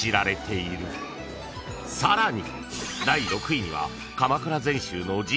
［さらに］